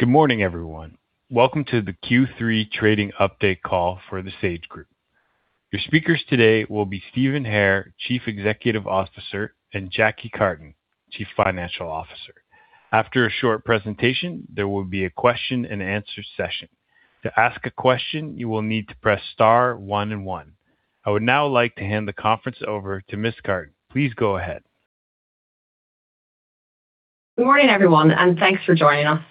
Good morning, everyone. Welcome to the Q3 trading update call for The Sage Group. Your speakers today will be Steve Hare, Chief Executive Officer, and Jacqui Cartin, Chief Financial Officer. After a short presentation, there will be a question and answer session. To ask a question, you will need to press star one and one. I would now like to hand the conference over to Ms. Cartin. Please go ahead. Good morning, everyone. Thanks for joining us.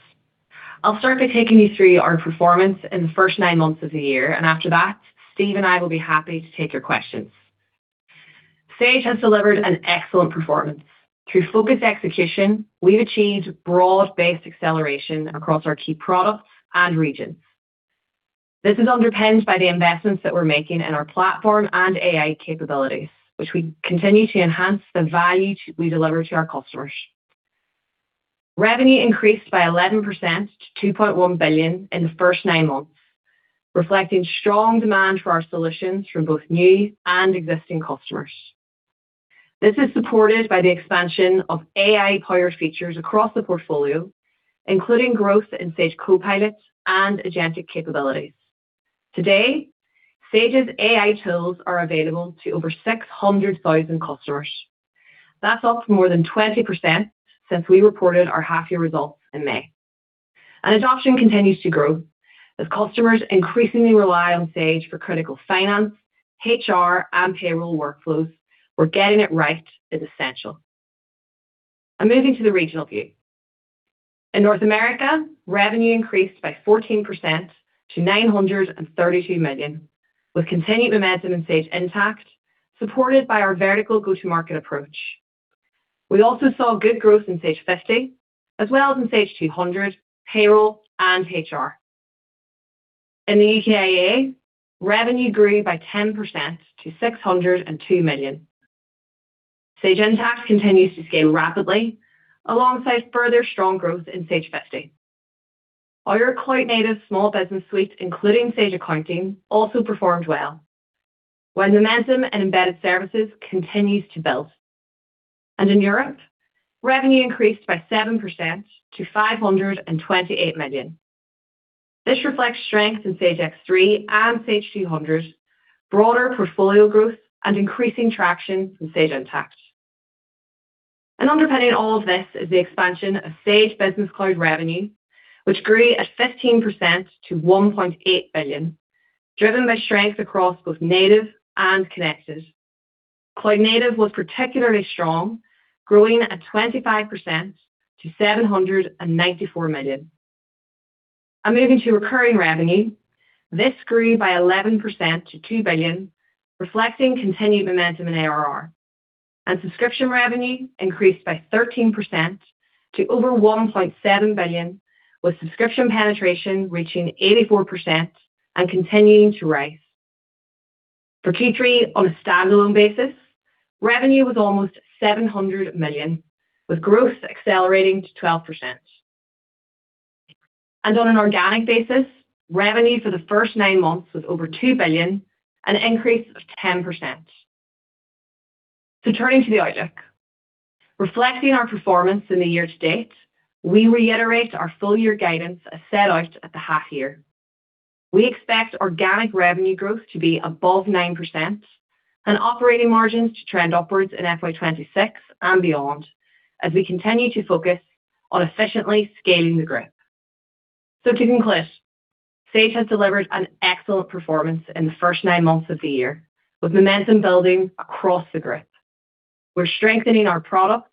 I'll start by taking you through our performance in the first nine months of the year. After that, Steve and I will be happy to take your questions. Sage has delivered an excellent performance. Through focused execution, we've achieved broad-based acceleration across our key products and regions. This is underpinned by the investments that we're making in our platform and AI capabilities, which we continue to enhance the value we deliver to our customers. Revenue increased by 11% to 2.1 billion in the first nine months, reflecting strong demand for our solutions from both new and existing customers. This is supported by the expansion of AI-powered features across the portfolio, including growth in Sage Copilot and agentic capabilities. Today, Sage's AI tools are available to over 600,000 customers. That's up more than 20% since we reported our half-year results in May. Adoption continues to grow. As customers increasingly rely on Sage for critical finance, HR, and Payroll workflows, where getting it right is essential. I'm moving to the regional view. In North America, revenue increased by 14% to 932 million, with continued momentum in Sage Intacct, supported by our vertical go-to-market approach. We also saw good growth in Sage 50, as well as in Sage 200, Payroll, and HR. In the UKIA, revenue grew by 10% to 602 million. Sage Intacct continues to scale rapidly alongside further strong growth in Sage 50. Our cloud-native small business suite, including Sage Accounting, also performed well, where momentum and embedded services continues to build. In Europe, revenue increased by 7% to 528 million. This reflects strength in Sage X3 and Sage 200, broader portfolio growth, and increasing traction in Sage Intacct. Underpinning all of this is the expansion of Sage Business Cloud revenue, which grew at 15% to 1.8 billion, driven by strength across both native and connected. Cloud native was particularly strong, growing at 25% to 794 million. I'm moving to recurring revenue. This grew by 11% to 2 billion, reflecting continued momentum in ARR. Subscription revenue increased by 13% to over 1.7 billion, with subscription penetration reaching 84% and continuing to rise. For Q3 on a standalone basis, revenue was almost 700 million, with growth accelerating to 12%. On an organic basis, revenue for the first nine months was over 2 billion, an increase of 10%. Turning to the outlook. Reflecting our performance in the year to date, we reiterate our full-year guidance as set out at the half year. We expect organic revenue growth to be above 9% and operating margins to trend upwards in FY 2026 and beyond as we continue to focus on efficiently scaling the group. To conclude, Sage has delivered an excellent performance in the first nine months of the year, with momentum building across the group. We're strengthening our products,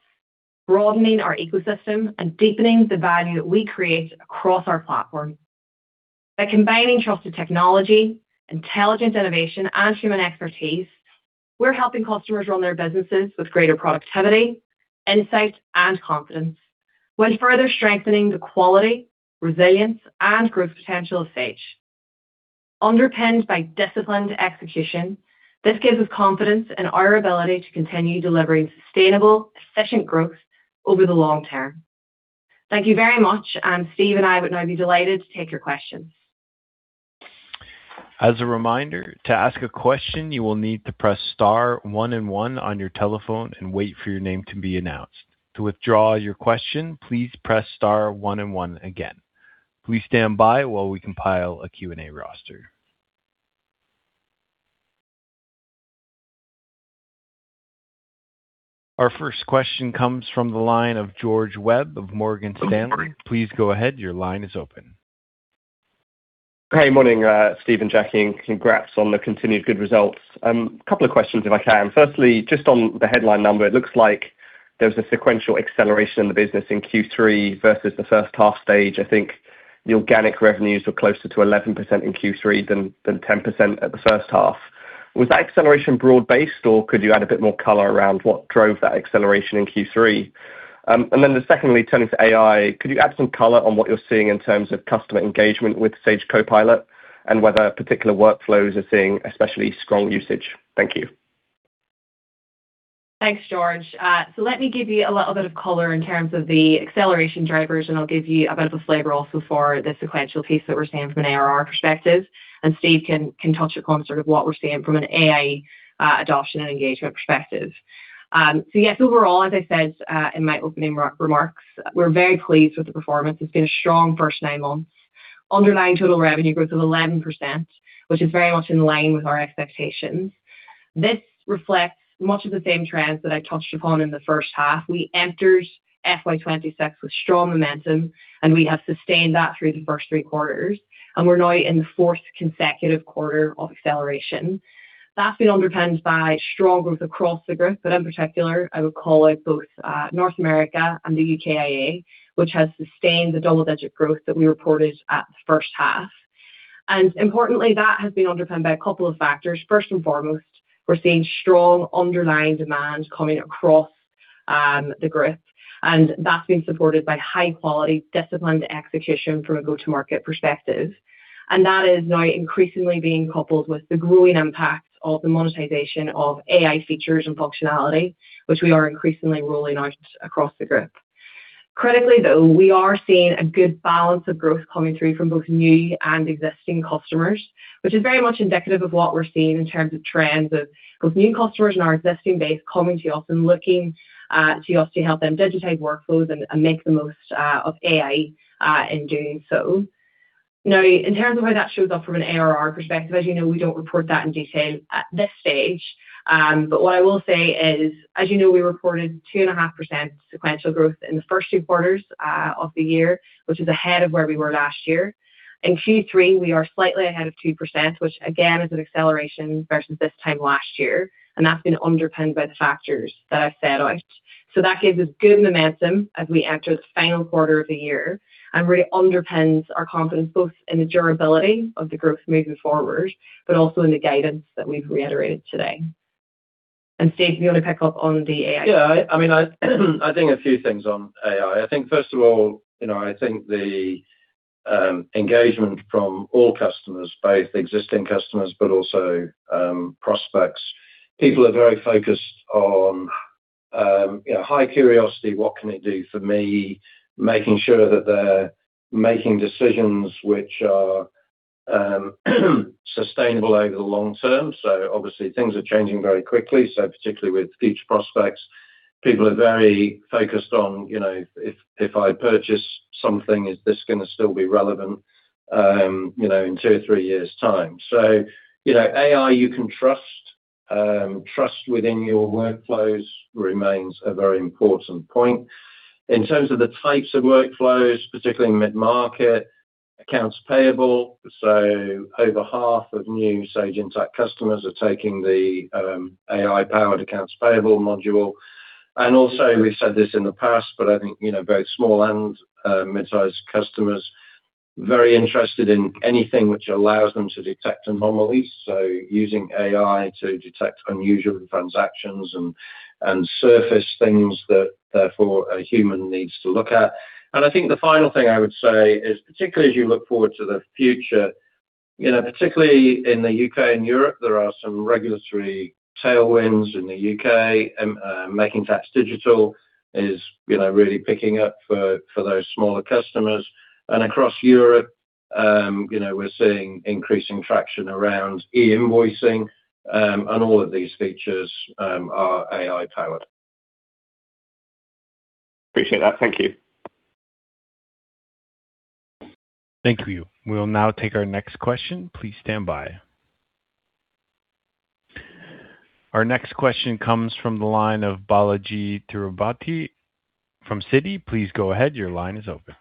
broadening our ecosystem, and deepening the value that we create across our platform. By combining trusted technology, intelligent innovation, and human expertise, we're helping customers run their businesses with greater productivity, insight, and confidence, while further strengthening the quality, resilience, and growth potential of Sage. Underpinned by disciplined execution, this gives us confidence in our ability to continue delivering sustainable, efficient growth over the long term. Thank you very much. Steve and I would now be delighted to take your questions. As a reminder, to ask a question, you will need to press star one and one on your telephone and wait for your name to be announced. To withdraw your question, please press star one and one again. Please stand by while we compile a Q&A roster. Our first question comes from the line of George Webb of Morgan Stanley. Please go ahead. Your line is open. Morning, Steve and Jacqui, and congrats on the continued good results. A couple of questions if I can. Firstly, just on the headline number, it looks like there was a sequential acceleration in the business in Q3 versus the first half stage. I think the organic revenues were closer to 11% in Q3 than 10% at the first half. Was that acceleration broad-based, or could you add a bit more color around what drove that acceleration in Q3? Then secondly, turning to AI, could you add some color on what you're seeing in terms of customer engagement with Sage Copilot and whether particular workflows are seeing especially strong usage? Thank you. Thanks, George. Let me give you a little bit of color in terms of the acceleration drivers, and I'll give you a bit of a flavor also for the sequential piece that we're seeing from an ARR perspective. Steve can touch upon sort of what we're seeing from an AI adoption and engagement perspective. Yes, overall, as I said in my opening remarks, we're very pleased with the performance. It's been a strong first nine months. Underlying total revenue growth of 11%, which is very much in line with our expectations. This reflects much of the same trends that I touched upon in the first half. We entered FY 2026 with strong momentum, and we have sustained that through the first three quarters, and we're now in the fourth consecutive quarter of acceleration. That's been underpinned by strong growth across the group, but in particular, I would call out both North America and the UKIA, which has sustained the double-digit growth that we reported at the first half. Importantly, that has been underpinned by a couple of factors. First and foremost, we're seeing strong underlying demand coming across the group, and that's been supported by high-quality disciplined execution from a go-to-market perspective. That is now increasingly being coupled with the growing impact of the monetization of AI features and functionality, which we are increasingly rolling out across the group. Critically, though, we are seeing a good balance of growth coming through from both new and existing customers, which is very much indicative of what we're seeing in terms of trends of both new customers and our existing base coming to us and looking to us to help them digitize workflows and make the most of AI in doing so. In terms of how that shows up from an ARR perspective, as you know, we don't report that in detail at this stage. But what I will say is, as you know, we reported 2.5% sequential growth in the first two quarters of the year, which is ahead of where we were last year. In Q3, we are slightly ahead of 2%, which again, is an acceleration versus this time last year, and that's been underpinned by the factors that I set out. That gives us good momentum as we enter the final quarter of the year and really underpins our confidence both in the durability of the growth moving forward but also in the guidance that we've reiterated today. Steve, if you want to pick up on the AI. Yeah. I think a few things on AI. I think, first of all, I think the engagement from all customers, both existing customers but also prospects, people are very focused on high curiosity, what can it do for me, making sure that they're making decisions which are sustainable over the long term. Obviously things are changing very quickly. So particularly with future prospects, people are very focused on if I purchase something, is this going to still be relevant in two or three years' time? So AI you can trust. Trust within your workflows remains a very important point. In terms of the types of workflows, particularly mid-market accounts payable, over half of new Sage Intacct customers are taking the AI-powered accounts payable module. We've said this in the past, I think both small and midsize customers, very interested in anything which allows them to detect anomalies. Using AI to detect unusual transactions and surface things that therefore a human needs to look at. I think the final thing I would say is, particularly as you look forward to the future, particularly in the U.K. and Europe, there are some regulatory tailwinds in the U.K. Making Tax Digital is really picking up for those smaller customers. Across Europe, we're seeing increasing traction around e-invoicing, and all of these features are AI-powered. Appreciate that. Thank you. Thank you. We'll now take our next question. Please stand by. Our next question comes from the line of Balajee Tirupati from Citi. Please go ahead. Your line is open.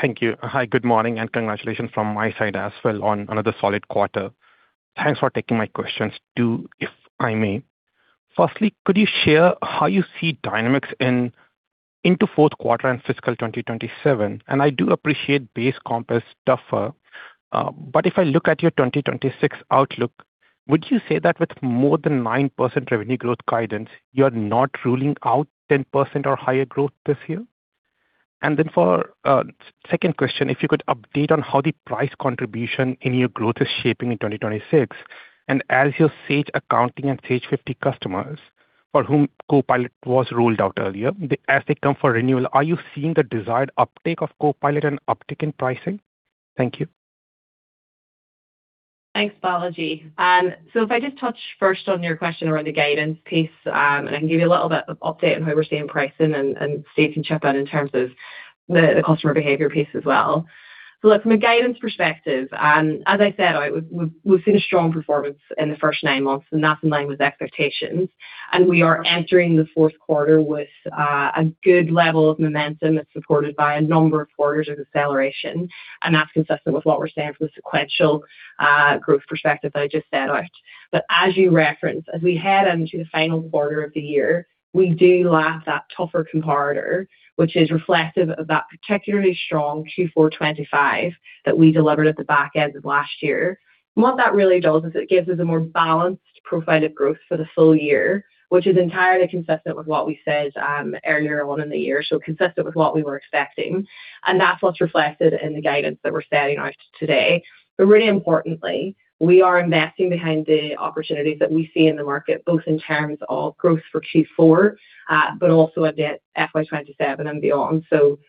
Thank you. Hi, good morning, congratulations from my side as well on another solid quarter. Thanks for taking my questions too, if I may. Firstly, could you share how you see dynamics into fourth quarter and fiscal 2027? I do appreciate base comps are tougher. If I look at your 2026 outlook, would you say that with more than 9% revenue growth guidance, you're not ruling out 10% or higher growth this year? Then for second question, if you could update on how the price contribution in your growth is shaping in 2026. As your Sage Accounting and Sage 50 customers for whom Copilot was rolled out earlier, as they come for renewal, are you seeing the desired uptake of Copilot and uptick in pricing? Thank you. Thanks, Balajee. If I just touch first on your question around the guidance piece, and I can give you a little bit of update on how we're seeing pricing and Steve can chip in in terms of the customer behavior piece as well. From a guidance perspective, as I set out, we've seen a strong performance in the first nine months, and that's in line with expectations. We are entering the fourth quarter with a good level of momentum that's supported by a number of quarters of acceleration, and that's consistent with what we're seeing from a sequential growth perspective that I just set out. As you referenced, as we head into the final quarter of the year, we do lap that tougher comparator, which is reflective of that particularly strong Q4 2025 that we delivered at the back end of last year. What that really does is it gives us a more balanced profile of growth for the full year, which is entirely consistent with what we said earlier on in the year, so consistent with what we were expecting. That's what's reflected in the guidance that we're setting out today. Really importantly, we are investing behind the opportunities that we see in the market, both in terms of growth for Q4 but also FY 2027 and beyond.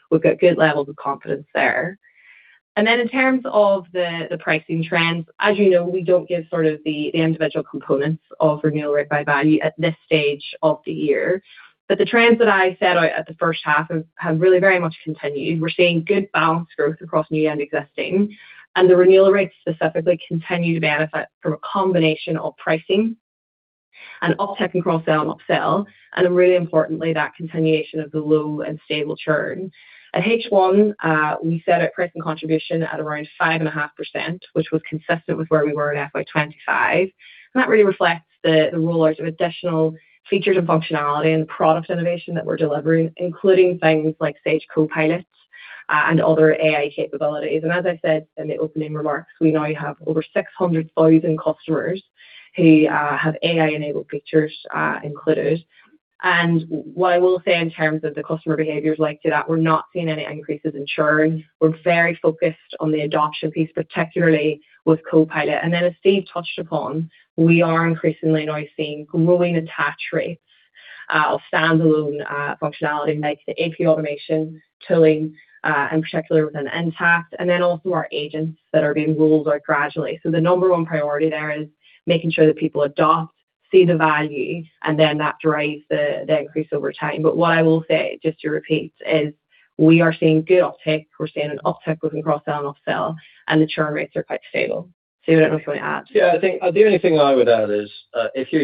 We've got good levels of confidence there. In terms of the pricing trends, as you know, we don't give sort of the individual components of renewal rate by value at this stage of the year. The trends that I set out at the first half have really very much continued. We're seeing good balanced growth across new and existing, and the renewal rates specifically continue to benefit from a combination of pricing and uptick in cross-sell and upsell, and really importantly, that continuation of the low and stable churn. At H1, we set our pricing contribution at around 5.5%, which was consistent with where we were in FY 2025, and that really reflects the roll-outs of additional features and functionality and product innovation that we're delivering, including things like Sage Copilot, and other AI capabilities. As I said in the opening remarks, we now have over 600,000 customers who have AI-enabled features included. What I will say in terms of the customer behaviors linked to that, we're not seeing any increases in churn. We're very focused on the adoption piece, particularly with Copilot. As Steve touched upon, we are increasingly now seeing growing attach rates of standalone functionality like the AP automation tooling, in particular within Intacct, and then also our agents that are being rolled out gradually. The number 1 priority there is making sure that people adopt, see the value, and then that drives the increase over time. What I will say, just to repeat, is we are seeing good uptick. We're seeing an uptick within cross-sell and upsell, and the churn rates are quite stable. Steve, I don't know if you want to add. I think the only thing I would add is, if you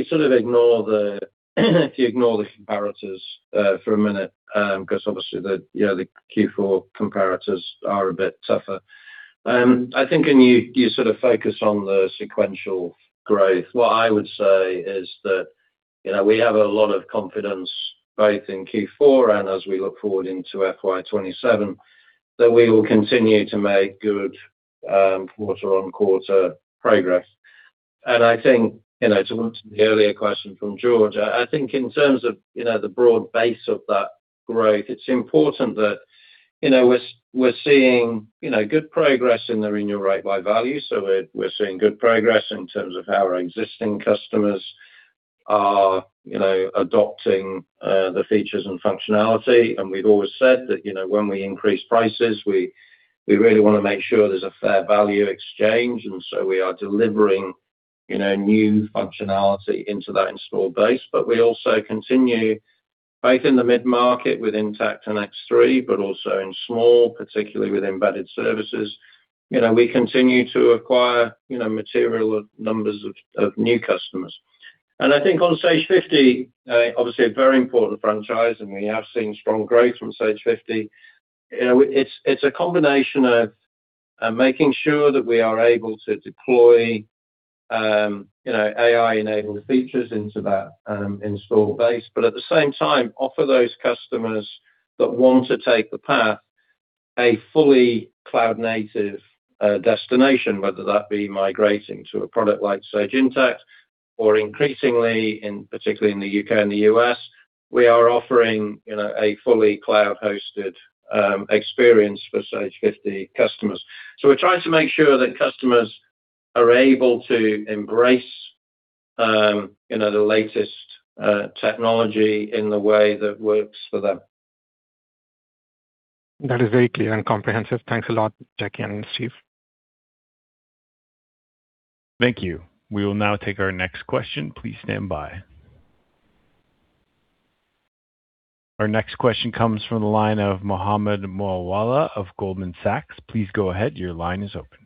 ignore the comparators for a minute, because obviously the Q4 comparators are a bit tougher, I think, and you sort of focus on the sequential growth, what I would say is that we have a lot of confidence both in Q4 and as we look forward into FY 2027, that we will continue to make good quarter-on-quarter progress. To answer the earlier question from George, I think in terms of the broad base of that growth, it is important that we are seeing good progress in the renewal rate by value. We are seeing good progress in terms of how our existing customers are adopting the features and functionality. We have always said that when we increase prices, we really want to make sure there is a fair value exchange. We are delivering new functionality into that installed base. We also continue both in the mid-market with Sage Intacct and Sage X3, but also in small, particularly with embedded services. We continue to acquire material numbers of new customers. I think on Sage 50, obviously a very important franchise, and we have seen strong growth from Sage 50. It is a combination of making sure that we are able to deploy AI-enabled features into that installed base, but at the same time offer those customers that want to take the path a fully cloud-native destination, whether that be migrating to a product like Sage Intacct or increasingly, particularly in the U.K. and the U.S., we are offering a fully cloud-hosted experience for Sage 50 customers. We are trying to make sure that customers are able to embrace the latest technology in the way that works for them. That is very clear and comprehensive. Thanks a lot, Jacqui and Steve. Thank you. We will now take our next question. Please stand by. Our next question comes from the line of Mohammed Moawalla of Goldman Sachs. Please go ahead. Your line is open.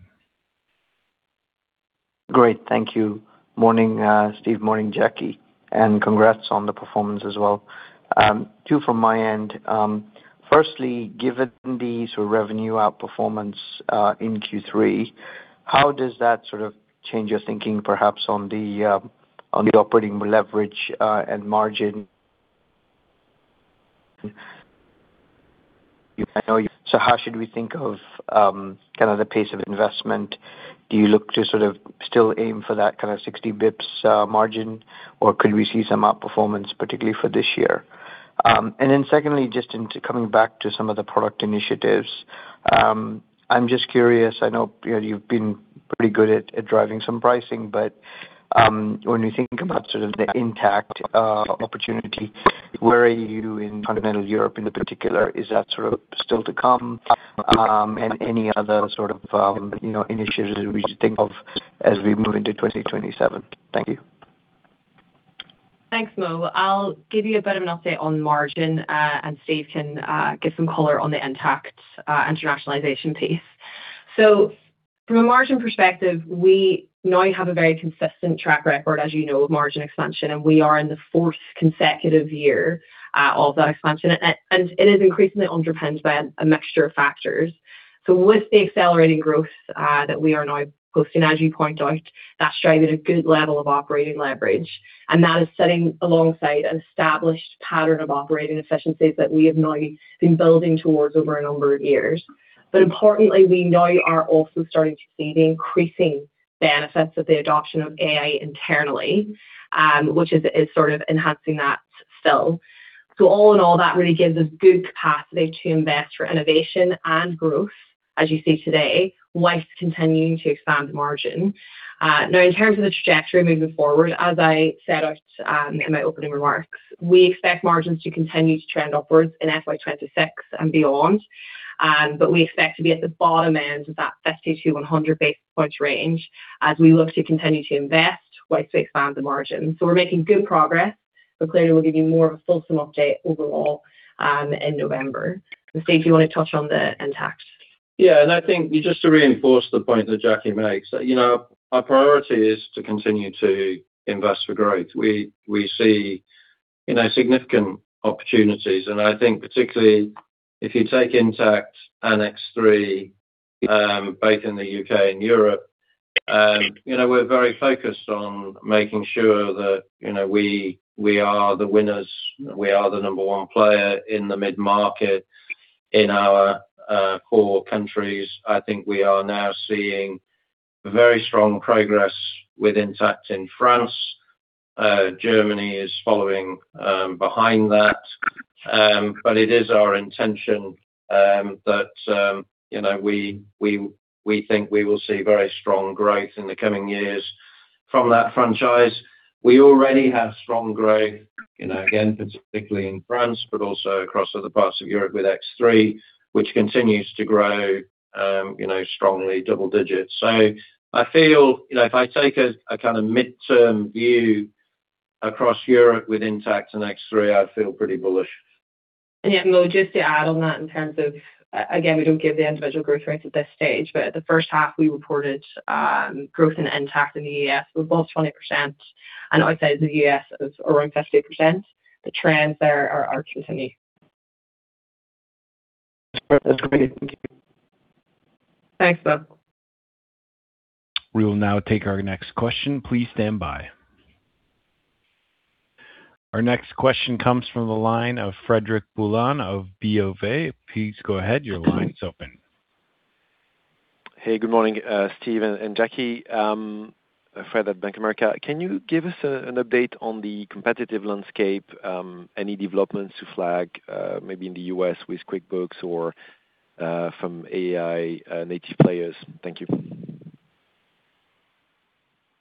Great. Thank you. Morning, Steve. Morning, Jacqui, and congrats on the performance as well. Two from my end. Firstly, given the sort of revenue outperformance in Q3, how does that sort of change your thinking perhaps on the operating leverage and margin? How should we think of kind of the pace of investment? Do you look to sort of still aim for that kind of 60 basis points margin, or could we see some outperformance, particularly for this year? Secondly, just coming back to some of the product initiatives, I'm just curious, I know you've been pretty good at driving some pricing, but when you think about sort of the Intacct opportunity, where are you in continental Europe in particular? Is that sort of still to come? Any other sort of initiatives we should think of as we move into 2027? Thank you. Thanks, Mo. I'll give you a bit of an update on margin, and Steve can give some color on the Intacct internationalization piece. From a margin perspective, we now have a very consistent track record, as you know, of margin expansion, and we are in the fourth consecutive year of that expansion, and it is increasingly underpinned by a mixture of factors. With the accelerating growth that we are now seeing, as you point out, that's driving a good level of operating leverage, and that is sitting alongside an established pattern of operating efficiencies that we have now been building towards over a number of years. Importantly, we now are also starting to see the increasing benefits of the adoption of AI internally, which is sort of enhancing that still. All in all, that really gives us good capacity to invest for innovation and growth, as you see today, whilst continuing to expand margin. Now, in terms of the trajectory moving forward, as I set out in my opening remarks, we expect margins to continue to trend upwards in FY 2026 and beyond. We expect to be at the bottom end of that 50-100 basis point range as we look to continue to invest whilst we expand the margin. We're making good progress, but clearly we'll give you more of a fulsome update overall in November. Steve, do you want to touch on the Sage Intacct? I think just to reinforce the point that Jacqui makes, our priority is to continue to invest for growth. We see significant opportunities, and I think particularly if you take Sage Intacct and Sage X3, both in the U.K. and Europe, we're very focused on making sure that we are the winners, we are the number one player in the mid-market in our core countries. I think we are now seeing very strong progress with Sage Intacct in France. Germany is following behind that. It is our intention that we think we will see very strong growth in the coming years from that franchise. We already have strong growth, again, particularly in France, but also across other parts of Europe with Sage X3, which continues to grow strongly double digits. I feel if I take a kind of midterm view across Europe with Sage Intacct and Sage X3, I feel pretty bullish. Yeah, just to add on that in terms of, again, we don't give the individual growth rates at this stage, but at the first half we reported growth in Sage Intacct in the U.S. was above 20%, and outside the U.S. it was around 50%. The trends there are continuing. That's great. Thank you. Thanks, Mo. We will now take our next question. Please stand by. Our next question comes from the line of Frederic Boulan of Bank of America. Please go ahead. Your line is open. Good morning Steve and Jacqui. Fred at Bank of America. Can you give us an update on the competitive landscape? Any developments to flag maybe in the U.S. with QuickBooks or from AI native players? Thank you.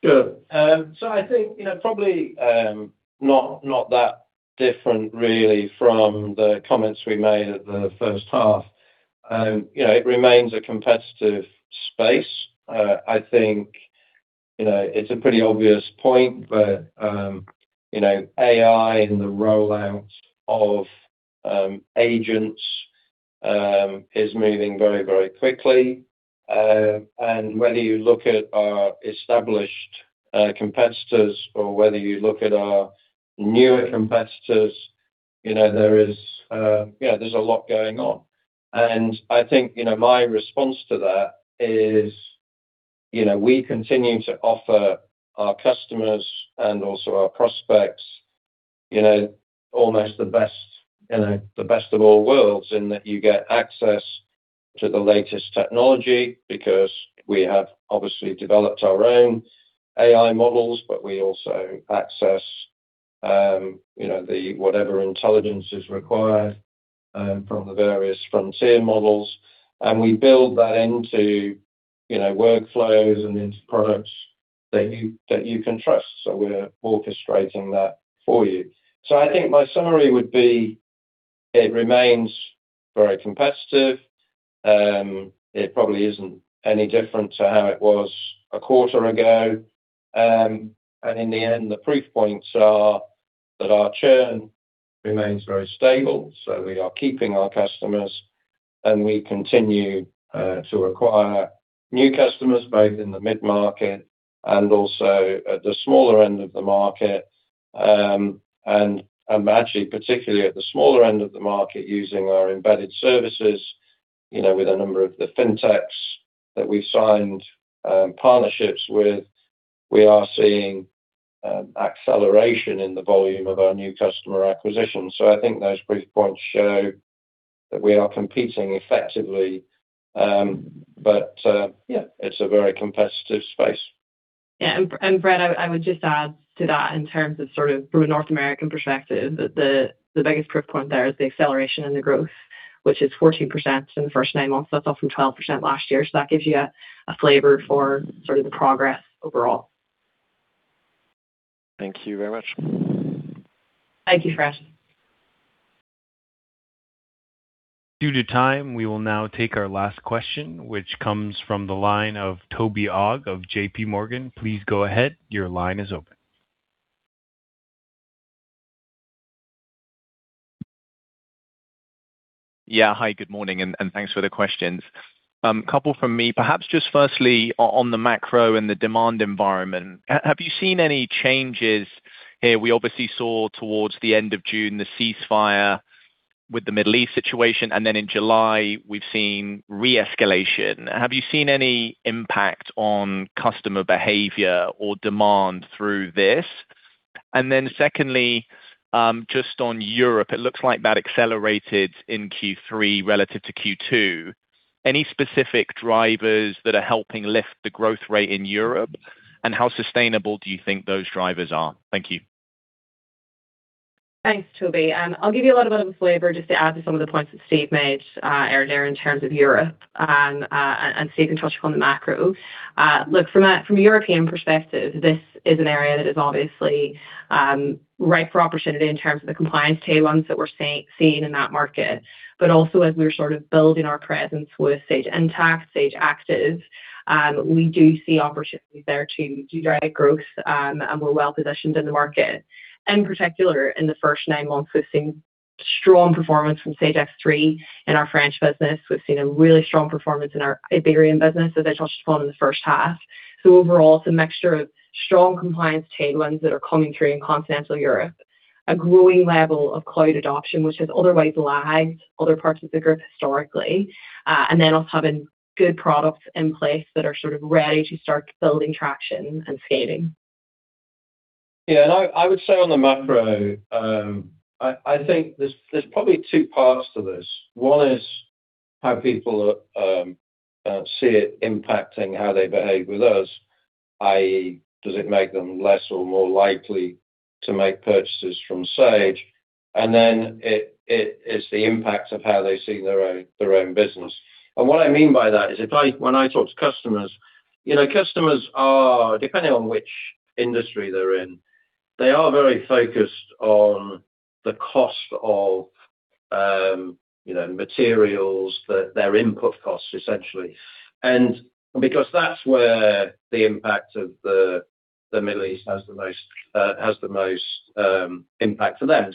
Sure. I think probably not that different really from the comments we made at the first half. It remains a competitive space. I think it's a pretty obvious point, AI and the rollout of agents is moving very quickly. Whether you look at our established competitors or whether you look at our newer competitors, there's a lot going on. I think my response to that is we continue to offer our customers and also our prospects almost the best of all worlds in that you get access to the latest technology because we have obviously developed our own AI models, but we also access whatever intelligence is required from the various frontier models, and we build that into workflows and into products that you can trust. We're orchestrating that for you. I think my summary would be it remains very competitive. It probably isn't any different to how it was a quarter ago. In the end, the proof points are that our churn remains very stable. We are keeping our customers, and we continue to acquire new customers both in the mid-market and also at the smaller end of the market. Actually, particularly at the smaller end of the market, using our embedded services with a number of the fintechs that we've signed partnerships with, we are seeing acceleration in the volume of our new customer acquisition. I think those proof points show that we are competing effectively. Yeah, it's a very competitive space. Yeah. Fred, I would just add to that in terms of sort of from a North American perspective, that the biggest proof point there is the acceleration and the growth, which is 14% in the first nine months. That's up from 12% last year. That gives you a flavor for sort of the progress overall. Thank you very much. Thank you, Fred. Due to time, we will now take our last question, which comes from the line of Toby Ogg of JPMorgan. Please go ahead. Your line is open. Yeah. Hi, good morning. Thanks for the questions. Couple from me. Perhaps just firstly on the macro and the demand environment, have you seen any changes here? We obviously saw towards the end of June the ceasefire with the Middle East situation. Then in July, we've seen re-escalation. Have you seen any impact on customer behavior or demand through this? Then secondly, just on Europe, it looks like that accelerated in Q3 relative to Q2. Any specific drivers that are helping lift the growth rate in Europe, and how sustainable do you think those drivers are? Thank you. Thanks, Toby. I'll give you a little bit of a flavor just to add to some of the points that Steve made earlier in terms of Europe. Steve can touch upon the macro. From a European perspective, this is an area that is obviously ripe for opportunity in terms of the compliance tailwinds that we're seeing in that market, but also as we're building our presence with Sage Intacct, Sage Active. We do see opportunities there to drive growth. We're well-positioned in the market. In particular, in the first nine months, we've seen strong performance from Sage X3 in our French business. We've seen a really strong performance in our Iberian business that I touched upon in the first half. Overall, it's a mixture of strong compliance tailwinds that are coming through in continental Europe, a growing level of cloud adoption, which has otherwise lagged other parts of the group historically. Then also having good products in place that are ready to start building traction and scaling. I would say on the macro, I think there's probably two parts to this. One is how people see it impacting how they behave with us, i.e., does it make them less or more likely to make purchases from Sage? Then it is the impact of how they see their own business. What I mean by that is, when I talk to customers are, depending on which industry they're in, they are very focused on the cost of materials, their input costs, essentially. Because that's where the impact of the Middle East has the most impact for them.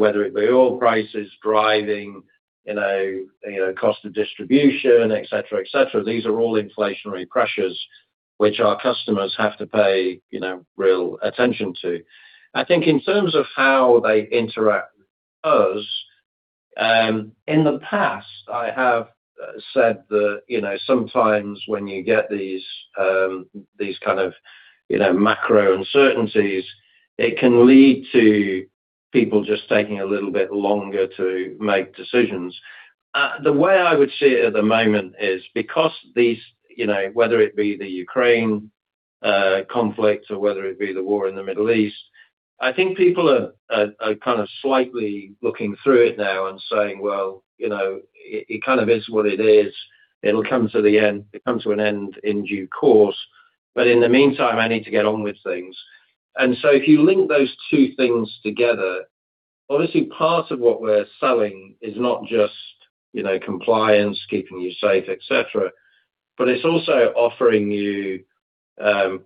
Whether it be oil prices driving cost of distribution, et cetera. These are all inflationary pressures, which our customers have to pay real attention to. I think in terms of how they interact with us, in the past, I have said that sometimes when you get these kind of macro uncertainties, it can lead to people just taking a little bit longer to make decisions. The way I would see it at the moment is because these, whether it be the Ukraine conflict or whether it be the war in the Middle East, I think people are kind of slightly looking through it now and saying, "It kind of is what it is. It'll come to an end in due course. In the meantime, I need to get on with things." If you link those two things together, obviously part of what we're selling is not just compliance, keeping you safe, et cetera, but it's also offering you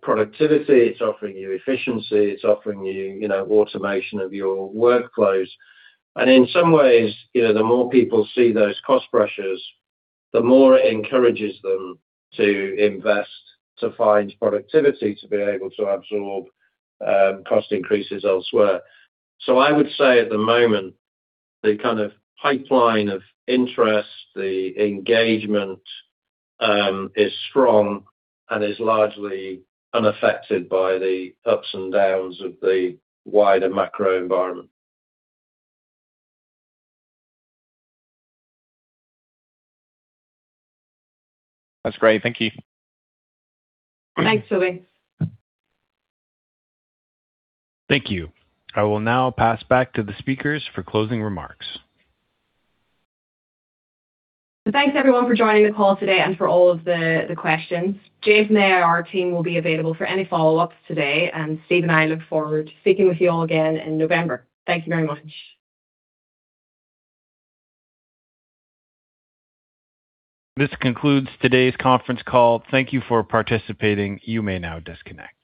productivity, it's offering you efficiency, it's offering you automation of your workflows. In some ways, the more people see those cost pressures, the more it encourages them to invest, to find productivity, to be able to absorb cost increases elsewhere. I would say at the moment, the kind of pipeline of interest, the engagement is strong and is largely unaffected by the ups and downs of the wider macro environment. That's great. Thank you. Thanks, Toby. Thank you. I will now pass back to the speakers for closing remarks. Thanks everyone for joining the call today and for all of the questions. James and the IR team will be available for any follow-ups today, and Steve and I look forward to speaking with you all again in November. Thank you very much. This concludes today's conference call. Thank you for participating. You may now disconnect.